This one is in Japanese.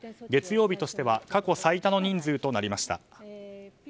月曜日としては過去最多の人数となりました。